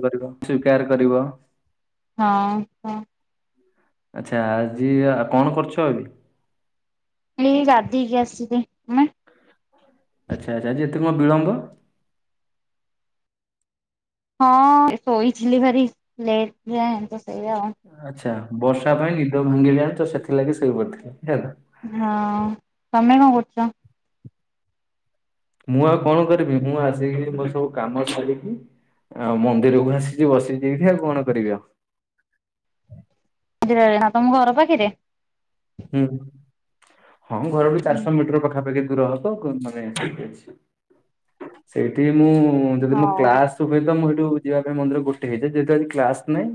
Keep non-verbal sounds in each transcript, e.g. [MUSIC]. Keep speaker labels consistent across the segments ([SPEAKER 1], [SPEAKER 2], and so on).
[SPEAKER 1] ବୁ କରିବ ସ୍ୱୀକାର କରିବ -
[SPEAKER 2] ହଁ ହଁ
[SPEAKER 1] ଆଛା ଆଜି ଆ କଣ କରୁଛ ଅବି?
[SPEAKER 2] ଏଇ ଗାଧେଇକି ଆସିଲି [INAUDIBLE]
[SPEAKER 1] ଆଚ୍ଛା ଆଚ୍ଛା ଆଜି ଏତେ କଣ ବିଳମ୍ବ?
[SPEAKER 2] ହଁ ଏ ଶୋଇଥିଲି ଭାରି ଲେଟ ଯାଏ ତ ସେଇଆ ଆଉ
[SPEAKER 1] ଆଛା ବର୍ଷା ପାଇଁ ନିଦ ଭାଙ୍ଗିଲାନି ତ ସେଥିଲାଗି ସୋଇ ପଡିଥିଲା ଏଇଆ ନା
[SPEAKER 2] ହଁ ତମେ କଣ କରୁଛ?
[SPEAKER 1] ମୁଁ ଆଉ କଣ କରିବି ମୁଁ ଆସିକି ମୋ ସବୁ କାମ ସାରିକି ଆଉ ମନ୍ଦିରକୁ ଆସିଛି ବସିଚି ଏଇଠି ଆଉ କଣ କରିବି ଆଉ
[SPEAKER 2] [UNINTELLIGIBLE] ତମ ଘର ପାଖେରେ
[SPEAKER 1] ହୁଁ ହଁ ଘର ବି ଚାରିଶହ ମିଟର ପାଖାପାଖି ଦୂର ହବ [UNINTELLIGIBLE] ଠିକ ଅଛି, ସେଇଠି ମୁଁ ଯଦି ମୋ
[SPEAKER 2] ହଉ ହଉ
[SPEAKER 1] କ୍ଲାସ ତୁ ବି ତ ମୁଁ ହେଟୁ ଯିବା ପାଇଁ ମନ୍ଦିର ଗୋଟେ ହେଇଯାଏ ଯେହେତୁ ଆଜି କ୍ଲାସ ନାଇଁ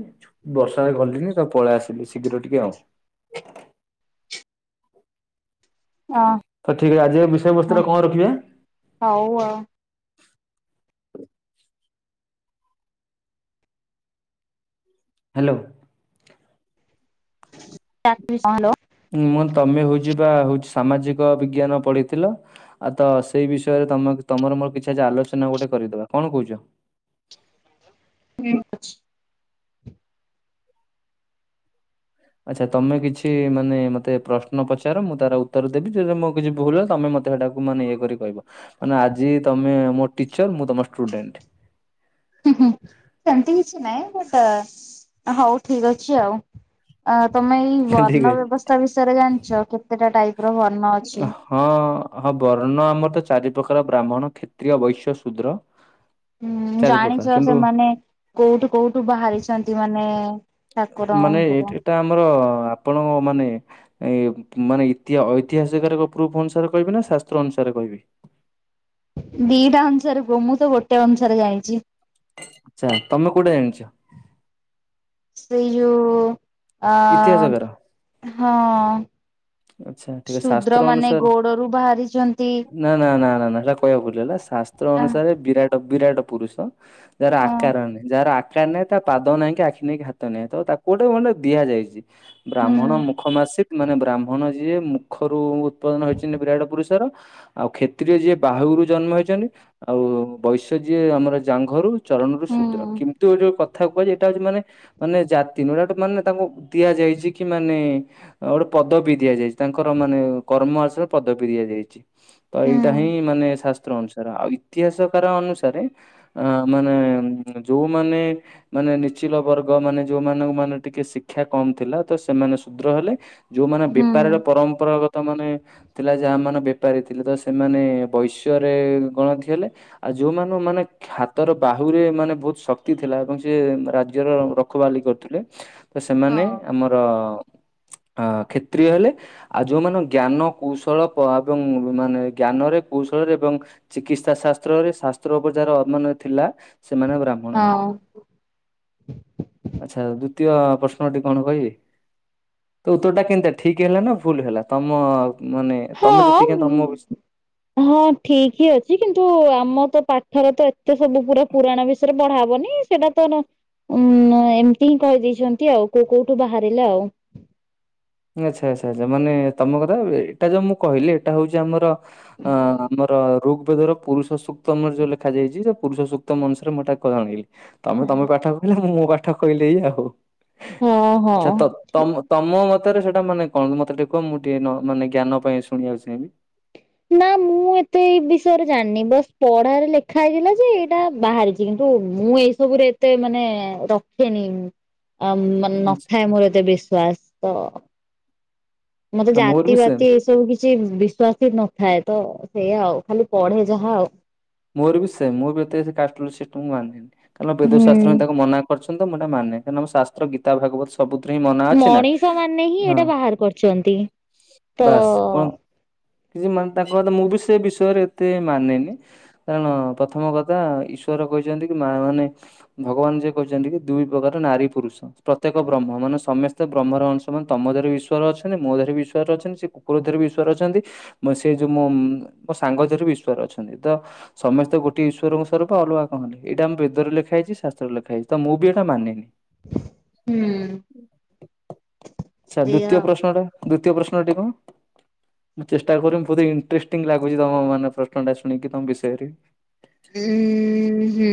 [SPEAKER 1] ବର୍ଷାରେ ଗଲିନି ତ ପଳେଇ ଆସିଲି ଶୀଘ୍ର ଟିକେ ଆଉ
[SPEAKER 2] [UNINTELLIGIBLE] ଅ।
[SPEAKER 1] ତ ଠିକ୍ ଆଜିର ବିଷୟବସ୍ତୁ ଟା କଣ ରଖିବା।
[SPEAKER 2] ହଉ ଅ।
[SPEAKER 1] ହ୍ୟାଲୋ।
[SPEAKER 2] ଚା ପିସ କଣ ହ୍ୟାଲୋ।
[SPEAKER 1] ହୁଁ ମୁଁ ତମେ ହଉଛି ବା ହଉଛି ସାମାଜିକ ବିଜ୍ଞାନ ପଢିଥିଲ। ଆଉ ତ ସେଇ ବିଷୟରେ ତମ ତମର ମୋର କିଛି ଆଜି ଆଲୋଚନା ଗୋଟେ କରିଦବା କଣ କହୁଛ।
[SPEAKER 2] ନିମ ଅଛି।
[SPEAKER 1] ଆଚ୍ଛା ତମେ କିଛି ମାନେ ମତେ ପ୍ରଶ୍ନ ପଚାର ମୁଁ ତାର ଉତ୍ତର ଦେବି ଯେ ମୋ କିଛି ଭୁଲ ହୁଏ ତମେ ମତେ। ସେଟାକୁ ମାନେ ଇଏ କରି କହିବ ମାନେ ଆଜି ତମେ ମୋ ଟିଚର ମୁଁ ତମ ଷ୍ଟୁଡେଣ୍ଟ।
[SPEAKER 2] ହୁଁ ସେମିତି କିଛି ନାହିଁ ବଟ୍ ହଉ ଠିକ ଅଛି ଆଉ। ଅ ତମେ ଏଇ
[SPEAKER 1] ଠିକ
[SPEAKER 2] ବର୍ଣ୍ଣ
[SPEAKER 1] ଅଛି।
[SPEAKER 2] ବ୍ୟବସ୍ଥା ବିଷୟରେ ଜାଣିଛ କେତେଟା ଟାଇପି ର ବର୍ଣ୍ଣ ଅଛି।
[SPEAKER 1] ହଁ ହଁ ବର୍ଣ୍ଣ ଆମର ତ ଚାରି ପ୍ରକାର ବ୍ରାହ୍ମଣ, କ୍ଷତ୍ରୀୟ, ବୈଶ୍ୟ, ଶୂଦ୍ର।
[SPEAKER 2] ହୁଁ
[SPEAKER 1] ଚାରି ପ୍ରକାର
[SPEAKER 2] ଜାଣିଛ
[SPEAKER 1] କିନ୍ତୁ
[SPEAKER 2] ସେମାନେ। କୋଉଠୁ କୋଉଠୁ ବାହାରିଛନ୍ତି ମାନେ ଠାକୁର।
[SPEAKER 1] ଏ ଏଇଟା ଆମର ଆ। ଆପଣଙ୍କ ମାନେ ଏ ମାନେ ଇ। ଇଏ ଐତିହାସିକ ଏକ ପ୍ରୁଫ୍ ଅନୁସାରେ କହିବି ନା ଶାସ୍ତ୍ର ଅନୁସାରେ କହିବି।
[SPEAKER 2] ଦିଟା ଅନୁସାରେ ଗୁଅ ମୁଁ ତ ଗୋଟେ ଅନୁସାରେ ଜାଣିଛି।
[SPEAKER 1] ଆଚ୍ଛା ତମେ କୋଉଟା ଜାଣିଛ।
[SPEAKER 2] ସେଇ ଯୋଉ ଆ
[SPEAKER 1] ଇତିହାସକାର
[SPEAKER 2] ହଁ।
[SPEAKER 1] ଆଚ୍ଛା ଠିକ ଶାସ୍ତ୍ର
[SPEAKER 2] ଶୁଦ୍ର ମାନେ
[SPEAKER 1] ଅନୁସାରେ
[SPEAKER 2] ଗୋଡରୁ ବାହାରିଛନ୍ତି।
[SPEAKER 1] ନା ନା ନା ନା ନା ସେଇଟା କହିବାକୁ ଭୁଲ ହେଲା ଶାସ୍ତ୍ର
[SPEAKER 2] ହଁ
[SPEAKER 1] ଅନୁସାରେ ବିରାଟ ବିରାଟ ପୁରୁଷ। ଯାହାର ଆକାର ନାହିଁ ଯାହାର ଆ। କାହିଁ ନାହିଁ ତା ପାଦ ନାହିଁ କି ଆଖି ନାହିଁ, ହାତ ନାହିଁ ତ ତାକୁ ଗୋଟେ ମାନେ ଦିଆଯାଇଛି
[SPEAKER 2] ହୁଁ
[SPEAKER 1] ବ୍ରାହ୍ମଣ ମୁଁ। ମୁଖ ମାସିକି ମାନେ ବ୍ରାହ୍ମଣ ଯିଏ ମୁଖରୁ ଉତ୍ପାଦନ ହେଇଛନ୍ତି ବିରାଟ ପୁରୁଷର। ଆଉ କ୍ଷେତ୍ରୀୟ ଯିଏ ବାହୁରୁ ଜନ୍ମ ହେଇଛନ୍ତି ଆଉ ବୈଶ୍ୟ ଯିଏ ଆମର ଜାଙ୍ଘରୁ। ଚରଣରୁ
[SPEAKER 2] ହୁଁ
[SPEAKER 1] ଶୂଦ୍ର କିନ୍ତୁ ଏ ଯୋଉ କ। କଥା କୁହାଯାଏ ଏଇଟା ହଉଛି ମାନେ ମାନେ ଜାତି ନୁ ଏଟା ମାନେ ତାଙ୍କୁ ଦିଆଯାଇଛି କି ମାନେ। ଓ ଗୋଟେ ପଦବୀ। ଦିଆଯାଇଛି ତାଙ୍କର ମାନେ କର୍ମ ଆସିବ ପଦବୀ ଦିଆଯାଇଛି ତ
[SPEAKER 2] ହୁଁ
[SPEAKER 1] ଏଇଟା ହିଁ ମାନେ ଶାସ୍ତ୍ର ଅନୁସାରେ। ର ଆଉ ଇତିହାସକାର ଅନୁସାରେ ଅ ମାନେ ଯୋଉମାନେ। ମାନେ ନିଚିଲ ବର୍ଗ ମାନେ ଯୋଉ ମାନଙ୍କ ମାନେ ଟିକେ ଶିକ୍ଷା କମ ଥିଲା ତ ସେମାନେ ଶଦ୍ର ହେଲେ। ଯୋଉମାନେ
[SPEAKER 2] ହୁଁ
[SPEAKER 1] ବେପାରରେ ପରମ୍ପରାଗତ ମାନେ। ଥିଲା ଯାହା ମାନେ ବେପାରୀ ଥିଲେ ତ ସେମାନେ ବୈଶ୍ୟ ରେ ଗଣତି ହେଲେ। ଆଉ ଯୋଉ ମାନଙ୍କୁ ମାନେ। ହାତର ବାହୁରେ ମାନେ ବହୁତ ଶକ୍ତି ଥିଲା ଏବଂ ସେ ରାଜ୍ୟର ରଖୁ ବାଲି କରୁଥିଲେ। ତ ସେମାନେ
[SPEAKER 2] ହଁ।
[SPEAKER 1] ଆମର ଅ କ୍ଷତ୍ରିୟ ହେଲେ। ଆଉ ଯୋଉ ମାନଙ୍କ ଜ୍ଞାନ କୌଶଳ ପ ଏବଂ ମାନେ ଜ୍ଞାନରେ କୌଶଳରେ ଏବଂ। ଚିକିତ୍ସା ଶାସ୍ତ୍ର ରେ ଶାସ୍ତ୍ର ଉପଚାର ମାନେ ଥିଲା ସେମାନେ ବ୍ରାହ୍ମଣ
[SPEAKER 2] ହଁ
[SPEAKER 1] ହେଲେ। ଆଚ୍ଛା ଦ୍ଵିତୀୟ ପ୍ରଶ୍ନଟି କଣ କହିବେ। ଉତ୍ତର ଟା କେମିତି ଆ ଠିକ ହେଲା ନା ଭୁଲ ହେଲା ତମ ମାନେ। ତମେ
[SPEAKER 2] ହଁ।
[SPEAKER 1] ଯେତିକି ତମ ବିଷ
[SPEAKER 2] ହଁ ଠିକ ହିଁ ଅଛି କିନ୍ତୁ ଆମ ତ ପାଠର ତ ଏତେ ସବୁ ପୁରା ପୁରାଣ ବିଷୟରେ ପଢା ହବନି। ସେଇଟା ତୋର, ଉଁ ଏମିତି ହିଁ କହିଦେଇଚନ୍ତି ଆଉ, କୋଉ କୋଉଠୁ ବାହାରିଲେ ଆଉ।
[SPEAKER 1] ଆଛା, ଆଛା, ଆଛା, ମାନେ ତମ କଥା ଏଇଟା ଯୋଉ ମୁଁ କହିଲି ଏଇଟା ହଉଚି ଆମର ଅ ଆମର ଋକ୍ ବେଦର ପୁରୁଷ ସୁକ୍ ତମର ଯୋଉ ଲେଖାଯାଇଚି, ସେ ପୁରୁଷ ସୁକ୍ତ ମୁଁସରେ ମୁଁ ଏଟା କ ଆଣିଲି, ତମେ ତମ ପାଠ କହିଲ, ମୁଁ ମୋ ପାଠ କହିଲେ ଆଉ,
[SPEAKER 2] ହଁ
[SPEAKER 1] ଆଛା
[SPEAKER 2] ହଁ।
[SPEAKER 1] ତ ତମ ମତ ମତରେ ସେଟା ମାନେ କଣ? ମତେ ଟିକେ କୁହ, ମୁଁ ଟିକେ ମାନେ ଜ୍ଞାନ ପାଇଁ ଶୁଣିବାକୁ ଚାହିଁବି।
[SPEAKER 2] ନା ମୁଁ ଏତେ ଏଇ ବିଷୟରେ ଜାଣିନି, ବାସ୍ ପଢାରେ ଲେଖା ହେଇଥିଲା ଯେ, ଏଇଟା ବାହାରି କିନ୍ତୁ ମୁଁ ଏଇ ସବୁରେ ଏତେ ମାନେ ରଖେନି ଆ, ମାନେ
[SPEAKER 1] ଆଚ୍ଛା
[SPEAKER 2] ନଥାଏ ମୋର ଏତେ ବିଶ୍ଵାସ ତ ମତେ
[SPEAKER 1] ହଁ, ମୋର
[SPEAKER 2] ଜାତି
[SPEAKER 1] ବି ସେମ୍
[SPEAKER 2] ବାତି ଏ ସବୁ କିଛି କିଛି ବିଶ୍ଵାସ ନଥାଏ ତ, ସେଇଆ ଆଉ, ଖାଲି ପଢେ ଯାହା ଆଉ।
[SPEAKER 1] ମୋର ବି ସେମ୍, ମୁଁ ବି ଏତେ [UNINTELLIGIBLE] ସିଷ୍ଟମକୁ ମାନେନି, ତେଣୁ
[SPEAKER 2] ହୁଁ।
[SPEAKER 1] ବେଦଶାସ୍ତ୍ର ତାକୁ ମନା କରୁଚନ୍ତି ତ, ମୁଁ ଏଟା ମାନେ, କାରଣ ମୁଁ ଶାସ୍ତ୍ର ଗୀତା ଭାଗବତ ସବୁଥିରେ ହିଁ ମନା ଅଛି ନା,
[SPEAKER 2] ମଣିଷ ମାନେ ହିଁ
[SPEAKER 1] ହଁ
[SPEAKER 2] ଏଇଟା ବାହାର କରିଛନ୍ତି ତ
[SPEAKER 1] ବାସ୍, କଣ କିଛି ମାନେ ତାଙ୍କ କଥା ମୁଁ ବି ସେ ବିଷୟରେ ଏତେ ମାନେନି କାରଣ ପ୍ରଥମ କଥା ଈଶ୍ୱର କହିଚନ୍ତି କି, ମା ମାନେ ଭଗବାନ ଯିଏ କହିଛନ୍ତି କି, ଦୁଇ ପ୍ରକାର ନାରୀ ପୁରୁଷ ପ୍ରତ୍ୟେକ ବ୍ରହ୍ମ, ମାନେ ସମସ୍ତେ ବ୍ରହ୍ମର ଅଂଶ ମାନ, ତମ ଧରି ଇଶ୍ଵର ଅଛନ୍ତି, ମୋ ଧରେ ବିଶ୍ୱର ଅଛନ୍ତି, ସେ କୁକୁର ଦିହରେ ବି ଈଶ୍ୱର ଅଛନ୍ତି, ମ ସେ ଯୋଉ ମ ମୋ ସାଙ୍ଗ ଦିହରେ ବି ଈଶ୍ଵାର ଅଛନ୍ତି, ତ ସମେସ୍ତେ ଗୋଟଏ ଈଶ୍ୱରଙ୍କ ସ୍ଵରୂପ, ଅଲଗା କଣ ହେଲେ? ଏଇଟା ଆମ ବେଦରେ ଲେଖାହେଇଛି, ଶାସ୍ତ୍ରରେ ଲେଖା ହେଇଛି, ତ ମୁଁ ବି ଏଇଟା ମାନେନି।
[SPEAKER 2] ହୁଁ।
[SPEAKER 1] ଆଛା,
[SPEAKER 2] ଏଇଆ
[SPEAKER 1] ଦ୍ଵିତୀୟ
[SPEAKER 2] ଆଉ।
[SPEAKER 1] ପ୍ରଶ୍ନ ଟା, ଦ୍ଵିତୀୟ ପ୍ରଶ୍ନଟି କଣ? ମୁଁ ଚେଷ୍ଟା କରିବି, ବହୁତ ଇଣ୍ଟରେଷ୍ଟିଂ ଲାଗୁଚି, ତମ ମାନେ ପ୍ରଶ୍ନଟା ଶୁଣିକି ତମ ବିଷୟରେ।
[SPEAKER 2] ଉଁ ହୁଁ,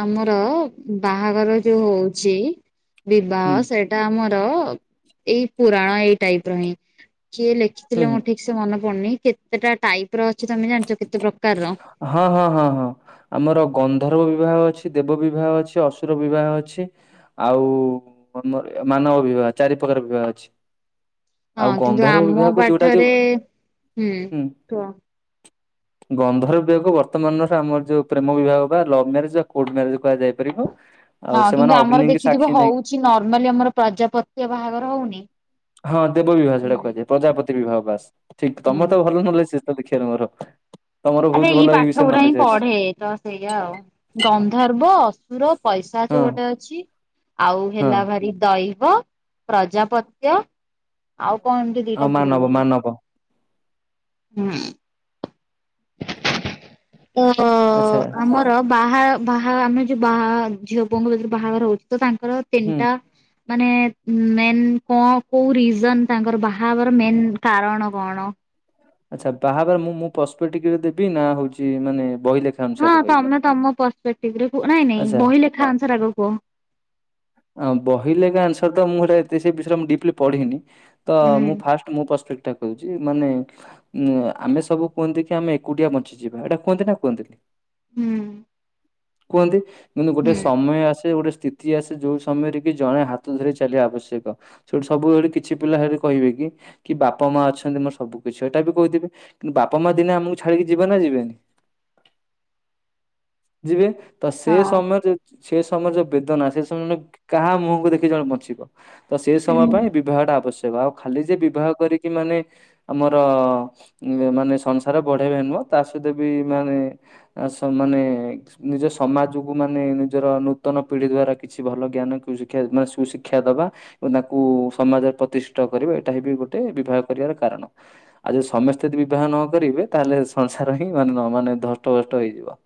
[SPEAKER 2] ଆମର ବା ବାହାଘର ଯୋଉ ହଉଛି, ବିବାହ
[SPEAKER 1] ହୁଁ।
[SPEAKER 2] ସେଟା ଏଟା ଆମର ଏଇ ପୁରାଣ ଏଇ ଟାଇପ ର ହିଁ, କିଏ
[SPEAKER 1] ହୁଁ
[SPEAKER 2] ଲେଖିଥିଲେ
[SPEAKER 1] ହୁଁ
[SPEAKER 2] ମୁଁ ଠିକ୍ ସେ ମନେ ପଡୁନି, କେତେ ଟା ଟାଇପ ର ଅଛି, ତମେ ଜାଣିଛ? କେତେ ପ୍ରକାରର?
[SPEAKER 1] ହଁ ହଁ ହଁ ହଁ। ଆମର ଗନ୍ଧର୍ବ ବିବାହ ଅଛି, ଦେବ ବିବାହ ଅଛି, ଅସୁର ବିବାହ ଅଛି। ଆଉ ମର ମାନବ ବିବାହ, ଚାରି ପ୍ରକାର ବିବାହ ଅଛି। ଆଉ
[SPEAKER 2] ହଁ, କିନ୍ତୁ
[SPEAKER 1] ଗନ୍ଧର୍ବ
[SPEAKER 2] ଆମ
[SPEAKER 1] ବିବାହକୁ ଯୋଉଟା କି
[SPEAKER 2] ପାଠରେ, ହୁଁ କୁହ?
[SPEAKER 1] ଗନ୍ଧର୍ବ ବିବାହକୁ ବର୍ତ୍ତମାନର ଆମର ସେ ଯୋଉ ପ୍ରେମ ବିବାହ ପା, ଲଭ୍ ମ୍ୟାରେଜ ଆଉ କୋର୍ଟ ମ୍ୟାରେଜ କୁହାଯାଇ ପାରିବ। [UNINTELLIGIBLE]
[SPEAKER 2] ହଁ, କିନ୍ତୁ ଆମର
[SPEAKER 1] ଅଗ୍ନିକି
[SPEAKER 2] ଦେଖିଥିବ,
[SPEAKER 1] ସାକ୍ଷୀ ନେଇ
[SPEAKER 2] ହଉଚି ନର୍ମାଲି ଆମର ପ୍ରଜାପତ୍ୟ ବାହାଘର ହଉନି?
[SPEAKER 1] ହଁ ଦେବବିବାହ ସେଇଟା
[SPEAKER 2] ହୁଁ
[SPEAKER 1] କୁହାଯାଏ, ପ୍ରଜାପତି ବିବାହ, ବାସ୍ ଠିକ୍, ତମେ ତ
[SPEAKER 2] ହୁଁ
[SPEAKER 1] ଭଲ, ନହଲେ [UNINTELLIGIBLE] ଦେଖିବା [UNINTELLIGIBLE]
[SPEAKER 2] ଆରେ ଏଇ ପାଠ ଗୁଡା ହିଁ ପଢେ, ତ ସେଇଆ ଆଉ, ଗନ୍ଧର୍ବ ଅସୁର ପଇଶାଚ
[SPEAKER 1] ହଁ
[SPEAKER 2] ଗୋଟେ ଅଛି ଆଉ
[SPEAKER 1] ହଁ
[SPEAKER 2] ହେଲା ଭାରି ଦୈବ, ପ୍ରଜାପତ୍ୟ ଆଉ କଣ ଏମିତି
[SPEAKER 1] ଆଉ
[SPEAKER 2] ଦିଟା
[SPEAKER 1] ମାନବ
[SPEAKER 2] ଭୁଲିଗଲି।
[SPEAKER 1] ମାନବ
[SPEAKER 2] ହୁଁ, ତ
[SPEAKER 1] ଆଚ୍ଛା
[SPEAKER 2] ଆମର ବାହା, ବାହା ଆମେ ଯୋଉ ବାହା ଝିଅ ପୁଅଙ୍କୁ ବେଦିରେ ବାହାଘର ହଉଚି, ତ ତାଙ୍କର
[SPEAKER 1] ହୁଁ।
[SPEAKER 2] ତିନିଟା ମାନେ ମେନ୍ କଣ କୋଉ ରିଜନ ତାଙ୍କର ବାହା ହେବର ମେନ୍ କାରଣ କଣ?
[SPEAKER 1] ଆଛା, ତାହାରେ ମୁଁ ମୁଁ [UNINTELLIGIBLE] ଟିକିରେ ଦେବି ନା ହଉଛି ମାନେ ବହିଲେଖା
[SPEAKER 2] ହଁ, ତମେ ତମ ପରପେକ୍ଟିଭିରେ କୁହ, ନାଇଁ ନାଇଁ
[SPEAKER 1] ଆଚ୍ଛା
[SPEAKER 2] ବହି ଲେଖା ଅନୁସାର ଆଗ କୁହ।
[SPEAKER 1] ଆଁ, ବହିଲେଗ ଆନ୍ସାରତ, ମୁଁ ଏତେ ସେ ବିଷୟରେ ମୁଁ ଡିପଲି ପଢିନି ତ
[SPEAKER 2] ହୁଁ
[SPEAKER 1] ମୁଁ ଫାଷ୍ଟ ମୋ ପେସ୍ପେକ୍ଟ ଟା କହୁଛି ମାନେ ଉ ଆମେ ସବୁ କୁହନ୍ତି କି ଆମେ ଏକୁଟିଆ ବଞ୍ଚିଯିବା ଏଇଟା କୁହନ୍ତି ନା କୁହନ୍ତିନି
[SPEAKER 2] ହୁଁ
[SPEAKER 1] କୁହନ୍ତି କିନ୍ତୁ ଗୋଟେ
[SPEAKER 2] ହୁଁ
[SPEAKER 1] ସମୟ ଆସେ ଗୋଟେ ସ୍ଥିତି ଆସେ ଯୋଉ ସମୟରେ କି ଜଣେ ହାତ ଧରି ଚାଲିବା ଆବଶ୍ୟକ ସେଠି ସବୁବେଳେ କିଛି ପିଲା ହେ କହିବେ କି କି ବାପା ମା ଅଛନ୍ତି ମୋ ସବୁ କିଛି ଏଇଟା ବି କହୁଥିବି କିନ୍ତୁ ବାପା ମା ଦିନ ଆମକୁ ଛଡିକି ଯିବେ ନା ଯିବେନି
[SPEAKER 2] [UNINTELLIGIBLE]
[SPEAKER 1] ଯିବେ ତ ସେ
[SPEAKER 2] ହଁ
[SPEAKER 1] ସମୟରେ ଯୋଉ ସେ ସମୟରେ ଯୋଉ ବେଦନା ସେ ସମୟରେ କାହା ମୁହଁକୁ ଦେଖି ଜଣେ ବଞ୍ଚିବ ତ ସେଇ ସମୟ
[SPEAKER 2] ହୁଁ।
[SPEAKER 1] ପାଇଁ ବିବାହ ଟା ଆବଶ୍ୟକ ଆଉ ଖାଲି ଯେ ବିବାହ କରିକି ମାନେ ଆମର ମାନେ ସଂସାର ବଢେଇବେ ନୁହଁ ତା ସହିତ ବି ମାନେ ଆ ସ ମାନେ ନିଜ ସମାଜକୁ ମାନେ ନିଜର ନୂତନ ପିଢି ଦ୍ଵାରା କିଛି ଭଲ ଜ୍ଞାନ ଶିକ୍ଷ ମାନେ ସୁଶିକ୍ଷା ଦବା ଏବଂ ତାଙ୍କୁ ସମାଜରେ ପ୍ରତିଷ୍ଠା କରିବ ଏଇଟା ହ ବି ଗୋଟେ ବିବାହ କରିବାର କାରଣ ଆଉ ଯଦି ସମସ୍ତେ ଯଦି ବିବାହ ନ କରିବେ ତାହେଲେ ସଂସାର ହିଁ ମାନେ ନ ମାନେ ଧଷ୍ଟଭଷ୍ଟ ହେଇଯିବ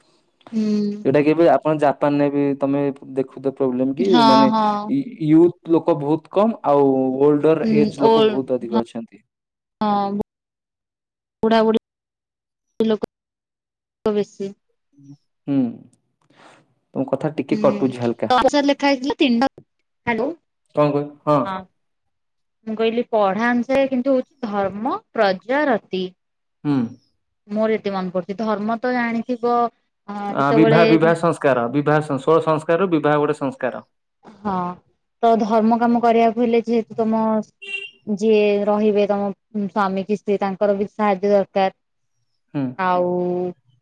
[SPEAKER 2] ହୁଁ
[SPEAKER 1] ଏଇଟା କି ଏବେ ଆପଣ ଜାପାନ ରେ ବି ତମେ ଦେଖୁଛ ପ୍ରୋବ୍ଲେମ କି
[SPEAKER 2] ହଁ
[SPEAKER 1] ମାନେ
[SPEAKER 2] ହଁ
[SPEAKER 1] ୟୁଥ ଲୋକ ବହୁତ କମ ଆଉ ଓଲଡର
[SPEAKER 2] ହୁଁ
[SPEAKER 1] ଏଜ
[SPEAKER 2] ଓ
[SPEAKER 1] ଲୋକ ବହୁତ ଅଧିକ ଅଛନ୍ତି
[SPEAKER 2] ହଁ ବୁଢ଼ା ବୁଢ଼ୀ ଲୋକ ବେଶୀ
[SPEAKER 1] ହୁଁ ତମ କଥା ଟିକେ କଟୁଛି ହାଲକା
[SPEAKER 2] ହୁଁ ଲେଖା ହେଇଥିଲା ତିନଟା ହ୍ୟାଲୋ
[SPEAKER 1] କଣ କହ ହଁ
[SPEAKER 2] ମୁଁ କହିଲି ପଢା ଅନୁସାରେ କିନ୍ତୁ ହଉଛି ଧର୍ମ ପ୍ରଜ ରତି
[SPEAKER 1] ହଁ
[SPEAKER 2] ମୋର ଏତେ ମନେ କରଡୁଛି ଧର୍ମ ତ ଜାଣିଥିବ
[SPEAKER 1] ଅ ବିବାହ ବିବାହ ସଂସ୍କାର ବିବାହ ଷୋହଳ ସଂସ୍କାରରୁ ବିବାହ ଗୋଟେ ସଂସ୍କାର
[SPEAKER 2] ହଁ ତ ଧର୍ମ କାମ କରିବାକୁ ହେଲେ ଯେହେତୁ ତମ ଯିଏ ରହିବେ ତମ ସ୍ଵାମୀ କି ସ୍ତ୍ରୀ ତାଙ୍କର ବି ସାହାଯ୍ୟ ଦରକାର
[SPEAKER 1] ହଁ
[SPEAKER 2] ଆଉ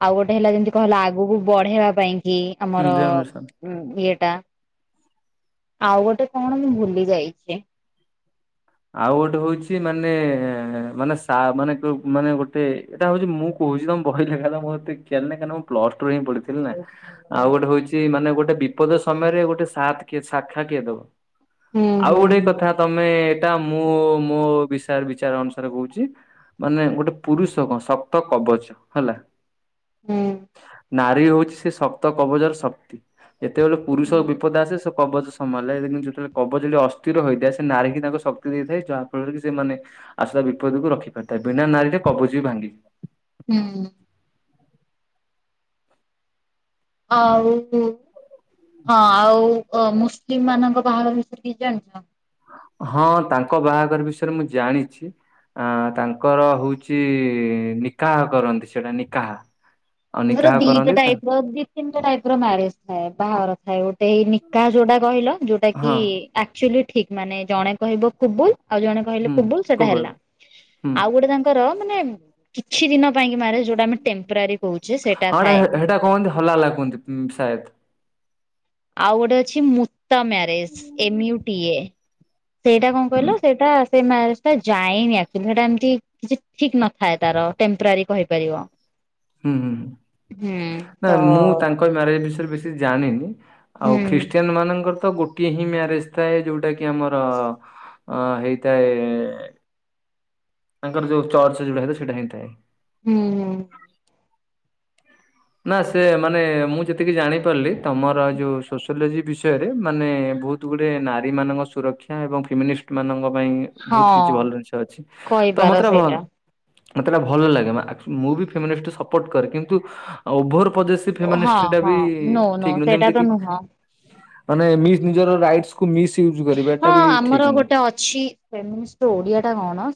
[SPEAKER 2] ଆଉ ଗୋଟେ ହେଲା ଯେମିତି କହିଲ ଆଗକୁ ବଢେଇବା ପାଇଁ କି
[SPEAKER 1] ହୁଁ
[SPEAKER 2] ଆମର
[SPEAKER 1] ଜେନେରେସନ।
[SPEAKER 2] ହଁ ଏଇଟା ଆଉ ଗୋଟେ କଣ ମୁଁ ଭୁଲି ଯାଇଛି
[SPEAKER 1] ଆଉ ଗୋଟେ ହଉଛି ମାନେ ମାନେ ସା ମାନେ ମାନେ ଗୋଟେ ଏଇଟା ହେଉଛି ମୁଁ କହୁଛି ତମ ବହି ଲେଖା ତ ମୋତେ ଜ୍ଞାନ କାହିଁ ପ୍ଲସ ଟୁ ହିଁ ପଢିଥିଲେ ନା ଆଉ ଗୋଟେ ହଉଛି ମାନେ ଗୋଟେ ବି ବିପଦ ସମୟରେ ଗୋଟେ ସାଥ କିଏ ଶାଖା କିଏ ଦବ
[SPEAKER 2] ହୁଁ ହୁଁ
[SPEAKER 1] ଆଉ
[SPEAKER 2] ହୁଁ
[SPEAKER 1] ଗୋଟେ କଥା ତମେ ଏଇଟା ମୁଁ ମୋ ବିଷୟ ବିଚାର ଅନୁସାରେ କହୁଛି ମାନେ ଗୋଟେ ପୁରୁଷ କଣ ଶକ୍ତ କବଚ ହେଲା
[SPEAKER 2] ହୁଁ।
[SPEAKER 1] ନାରୀ ହଉଛି ସେ ଶକ୍ତ କବଚର ଶକ୍ତି ଯେତେବେଳେ ପୁରୁଷ
[SPEAKER 2] ହୁଁ।
[SPEAKER 1] ବିପଦ ଆସେ ସେ କବଚ ସମୟ ହେ ଯେତେବେଳେ କବଚ ଯଦି ଅସ୍ଥିର ହୋଇଯଏ ସେ ନାରି କି ତା ଶକ୍ତି ଦେଇଥାଏ ଯାହା ଫଳରେ କି ସେମାନେ ଆସୁ ବିପଦକୁ ରଖି ପାରିଥାଏ ବିନା ନାରୀରେ କବୁଚା ବି ଭାଙ୍ଗିଯାଏ
[SPEAKER 2] ହୁଁ ଆଉ ହଁ ଆଉ ଅ ମୁସଲିମ ମାନଙ୍କ ବାହାଘର ବିଷୟରେ କିଛି ଜାଣିଛ?
[SPEAKER 1] ହଁ ତାଙ୍କ ବାହାଘର ବିଷୟରେ ମୁଁ ଜାଣିଛି। ଅ ତାଙ୍କର ହଉଛି ନିକାହ କରନ୍ତି ସେଇଟା ନିକାହା।
[SPEAKER 2] ମୋର ଦୀଟା ଟାଇପ ର ଦ ତିନିଟା ଟାଇପ ର ମ୍ୟାରେଜ ଥାଏ ବାଘର ଥାଏ ଗୋଟେ ଏଇ ନିକାହ ଯୋଉଟା କହିଲ ଯୋଉଟା କି।
[SPEAKER 1] ହଁ
[SPEAKER 2] ଆଚୁଆଲି ଠିକ ମାନେ ଜଣେ କହିବ କୁବୁଲ। ଆଉ ଜଣେ କହିଲେ
[SPEAKER 1] ହୁଁ
[SPEAKER 2] କୁବୁଲ ସେଟା
[SPEAKER 1] କୁବଲ
[SPEAKER 2] ହେଲା
[SPEAKER 1] ହୁଁ।
[SPEAKER 2] ଆଉ ଗୋଟେ ତାଙ୍କ ର ମାନେ କିଛି ଦିନ ପାଇଁକି ମାନ ଯୋଉଟା ଆମେ ଟେମ୍ପରାରୀ କହୁ।
[SPEAKER 1] ହଁଟା ସେଟା କହନ୍ତି ହଲାଲା କୁହନ୍ତି ସାୟଦ।
[SPEAKER 2] ଆଉ ଗୋଟେ ଅଛି ମୁତା ମ୍ୟାରେଜ ଏମୁଟିଏ। ସେଇଟା କଣ
[SPEAKER 1] ହୁଁ
[SPEAKER 2] କହିଲ ସେଇଟା ସେ ମାରେଜ ଟା ଯାଏନି ସେଟା ଏମତି କିଛି ଠିକ ନଥାଏ ତାର ଟେମ୍ପୋରାରୀ କହିପାରିବ।
[SPEAKER 1] ହୁଁ ହୁଁ
[SPEAKER 2] ହୁଁ
[SPEAKER 1] ନା
[SPEAKER 2] ତ
[SPEAKER 1] ମୁଁ ତାଙ୍କ ତାଙ୍କ ମ୍ୟାରେଜ ବିଷୟରେ ବେଶି ଜାଣିନି
[SPEAKER 2] ହୁଁ
[SPEAKER 1] ଆଉ ଖ୍ରୀଷ୍ଟିୟାନ ମାନଙ୍କର ତ ଗୋଟିଏ ହିଁ ମ୍ୟାରେଜ ଥାଏ ଯୋଉଟା କି ଆମର ଅ ହେଇଥାଏ ତାଙ୍କର ଯୋଉ ଚର୍ଚ୍ଚ ଯୋଉଟା ସେଇଟା ହେଇଥାଏ।
[SPEAKER 2] ହୁଁ। ହୁଁ
[SPEAKER 1] ନା ସେ ମାନେ ମୁଁ ଯେତିକି ଜାଣିପାରିଲି ତମର ଯୋଉ ସୋସିଓଲୋଜି ବିଷୟରେ ମାନେ ବହୁତ। ଗୁଡେ ନାରୀ ମାନଙ୍କ ସୁରକ୍ଷା ଏବଂ ଫେମିନିଷ୍ଟ ମାନଙ୍କ ପାଇଁ
[SPEAKER 2] ହଁ
[SPEAKER 1] ବହୁତ କିଛି ଭଲ ଜିନିଷ ଅଛି ତ
[SPEAKER 2] କହିବାର ସେଇଟା
[SPEAKER 1] ମତୁରଭନ ମତେଟା ଭଲ ଲାଗେ ମୁଁ ବି ଫିଷ୍ଟ ସପୋର୍ଟ କରେ କିନ୍ତୁ ଓଭର ପୋସସେସ
[SPEAKER 2] ହଁ
[SPEAKER 1] ଫେମିନିଷ୍ଟ ଟା
[SPEAKER 2] ହଁ
[SPEAKER 1] ବି
[SPEAKER 2] ନୋ ନୋ
[SPEAKER 1] ଠିକ ନୁହେଁ
[SPEAKER 2] ସେଇଟା
[SPEAKER 1] ଯେମିତି
[SPEAKER 2] ତ
[SPEAKER 1] କି
[SPEAKER 2] ନୁହଁ
[SPEAKER 1] ମାନେ ମିସସ ନିଜର ଋଗଷ୍ଟସ କୁ ମିସସ ଇଉଯ
[SPEAKER 2] ହଁ ଆମର ଗୋଟେ ଅଛି ଫେମିନିଷ୍ଟ ର ଓଡିଆ ଟା କଣ?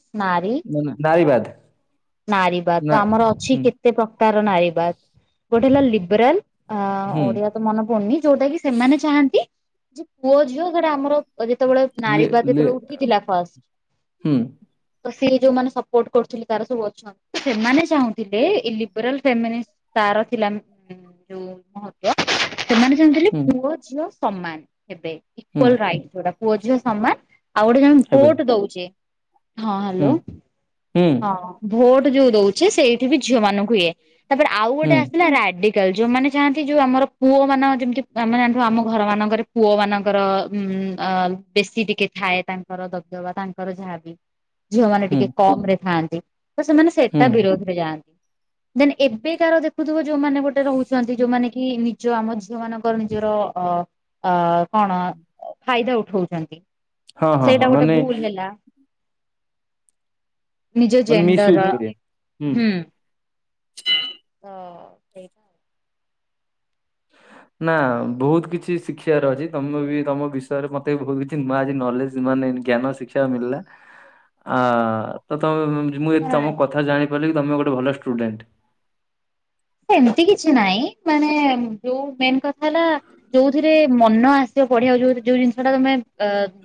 [SPEAKER 1] ନାରୀବାଦ।
[SPEAKER 2] ନାରୀିବାଦ ତ
[SPEAKER 1] ନା
[SPEAKER 2] ଆମର ଅଛି
[SPEAKER 1] ହୁଁ
[SPEAKER 2] କେତେ ପ୍ରକାରର ନାରୀିବାଦ ଗୋଟେ ହେଲା ଲିବରାଲ
[SPEAKER 1] ହୁଁ
[SPEAKER 2] ହ ଓଡ଼ିଆ ତ ମନେ ପଡୁନି ଯୋଉଟା କି ସେମାନେ ଚାହାନ୍ତି ଯେ ପୁଅ ଝିଅ ସେଟା ଆମର ଯେତେବେଳେ ନାରୀ
[SPEAKER 1] ଲେ
[SPEAKER 2] ବାଦ
[SPEAKER 1] ଲେ
[SPEAKER 2] ଯେତେବେଳେ ଉଠିଥିଲା ଫଷ୍ଟ।
[SPEAKER 1] ହୁଁ
[SPEAKER 2] ତ ସେଇ ଯୋଉ ମମାନେ ସପୋର୍ଟ କରୁଥିଲେ ତାର ସବୁ ସେମାନେ ଚାହୁଁଥିଲେ ଏ ଲିବରାଲ ଫେମିନିଷ୍ଟ ତାର ଥିଲା। ଯୋଉ ମହତ୍ୱ ସେମାନେ ଚାହୁଁଥିଲେ
[SPEAKER 1] ହୁଁ
[SPEAKER 2] ପୁଅ ଝିଅ ସମାନ ହେବେ।
[SPEAKER 1] ହୁଁ
[SPEAKER 2] ଇକ୍ୱାଲ ରାଇଟ ଯୋଉଟା ପୁଅ ଝିଅ ସମାନ ଆଉ ଗୋଟେ ଜଣେ
[SPEAKER 1] ହେବେ
[SPEAKER 2] ଭୋଟ ଦଉଛେ। ହଁ ହ୍ୟାଲୋ
[SPEAKER 1] ହୁଁ ହୁଁ
[SPEAKER 2] ହଁ ଭୋଟ ଯୋଉ ଦଉଛେ ସେଇ। ଝିଅ ମାନଙ୍କୁ ଇଏ ତାପରେ ଆଉ ଗୋଟେ
[SPEAKER 1] ହୁଁ
[SPEAKER 2] ଆସିଲା ରାଡି ଯୋଉମାନେେ ଚାହାନ୍ତି ଯୋଉ ଆମର ପୁଅ ମାନ ଯେମତି ଆମେ ଜାଣିୁ ଆମ ଘର ମାନଙ୍କରେ ପୁଅ ମାନଙ୍କର ଉଁ ବେଶୀ ଟିକେ ଥାଏ ତାଙ୍କର ଦବ ଦବା ତାଙ୍କର ଯାହାବି। ଝିଅମାନେ
[SPEAKER 1] ହୁଁ
[SPEAKER 2] ଟିକେ କମ ରେ ଥାଆନ୍ତି ତ ସେମାନେ ସେଟା
[SPEAKER 1] ହୁଁ
[SPEAKER 2] ବିରୋଧରେ ଯାଆନ୍ତି। ଦେନ୍ ଏବେ କାର ଦେଖୁଥିବ ଯୋଉମାନେ ଗୋଟେ ରହୁଛନ୍ତି ଯୋଉମାନେ କି ନିଜ ଆମ ଝିଅ ମାନଙ୍କର ନିଜର ଅ ଅ କଣ ଫାଇଦା ଉଠଉଛନ୍ତି
[SPEAKER 1] ହଁ ହଁ ହଁ
[SPEAKER 2] ସେଇଟା ଗୋଟେ
[SPEAKER 1] ମାନେ
[SPEAKER 2] ଭୁଲ ହେଲା। ନିଜୋ
[SPEAKER 1] ମାନେ ମିସ୍ ୟୁଜ
[SPEAKER 2] ଜେଣ୍ଡର
[SPEAKER 1] କରିବା
[SPEAKER 2] ହୁଁ। ତ ସେଇଟା।
[SPEAKER 1] ନା ବହୁତ କିଛି ଶିଖିବାର ଅଛି ତମେ ବି ତମ ବିଷୟରେ ମତେ ବି ବହୁତ କିଛି ନୂଆ ଅଛି ନଲେଜ ନୂଆ ଜ୍ଞାନ ଶିଖିଆକୁ ମିିଲଲା ଆ। ମୁଁ ଏଇ
[SPEAKER 2] ନାଇଁ
[SPEAKER 1] ତମ କଥା ଜାଣିପାରିଲି ତମେ ଗୋଟେ ଭଲ ଷ୍ଟୁଡେଣ୍ଟ।
[SPEAKER 2] ଏମିତି କିଛି ନାଇଁ ମାନେ ଯୋଉ ମେନ୍ କଥା ହେଲା ଯୋଉଥିରେ ମନ ଆସିବ ପଢିବାଆ ଯୋଉ ଯୋଉ ଜିନିଷ ଟା ତମେ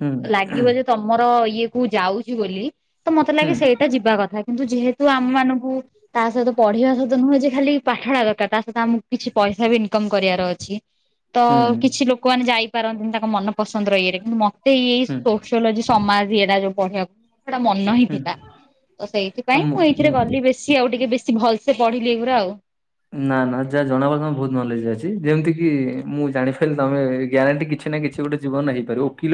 [SPEAKER 1] ହୁଁ
[SPEAKER 2] ଲାଗିବ ଯେ ତମର ଇଏ କୁ ଯାଉଛି ବୋଲି ତ ମତେ
[SPEAKER 1] ହୁଁ
[SPEAKER 2] ଲାଗେ ସେଇ ଏଟା ଯିବା କଥା କିନ୍ତୁ ଯେହେତୁ ଆମ ମାନଙ୍କୁ ତା ସହିତ ପଢିବା ସହିତ ନୁହେଁ ଯେ ଖାଲି ପାଠଟା ଦରକାର ତା ସହିତ ଆମକୁ କିଛି ପଇସା ବି ଇନକମ କରିବାର ଅଛି ତ
[SPEAKER 1] ହୁଁ
[SPEAKER 2] କିଛି ଲୋକମାନେ ଯାଇ ପାରନ୍ତିନି ତାଙ୍କ ମନ ପସନ୍ଦର ଇଏରେ କିନ୍ତୁ ମତେ ଇଏ
[SPEAKER 1] ହୁଁ
[SPEAKER 2] ସୋସଲୋଜି ସମାଜ ଇଏଟା ଯୋଉ ପଢିବାକୁ ଟା ମନ ହିଁ
[SPEAKER 1] ହୁଁ
[SPEAKER 2] ଥିଲା ତ ସେଇଥିପାଇଁ
[SPEAKER 1] ଆମ
[SPEAKER 2] ମୁଁ ଏଇଥିରେ ଗଲି ବେଶୀ ଆଉ ଟିକେ ବେଶୀ ଭଲ ସେ ପଢିଲି ଏଗୁରା ଆଉ।
[SPEAKER 1] ନା ନା ଯାହା ଜଣା ପ ତମେ ବହୁତ ନଲେଜ ଅଛି ଯେମିତି କିି ମୁଁ ଜାଣି ପାରିଲି ତମେ ଗ୍ୟାରେଣ୍ଟି କିଛି ନା କିଛି ଗୋଟେ ଜୀବନରେ ହେଇପାରିବ ଓକିଲ।